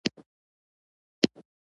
په اغلب ګومان ویتنامیان یا چینایان به وو.